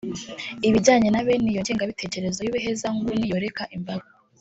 ibijyanye na bene iyo ngengabitekerezo y’ubuhezanguni yoreka imbaga